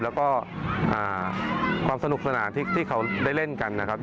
แล้วก็ความสนุกสนานที่เขาได้เล่นกันนะครับ